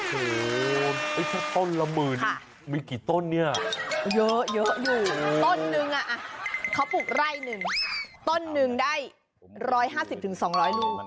โอ้โหแค่ต้นละหมื่นมีกี่ต้นเนี่ยเยอะอยู่ต้นนึงเขาปลูกไร่หนึ่งต้นหนึ่งได้๑๕๐๒๐๐ลูก